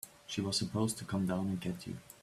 She was supposed to come down and get you.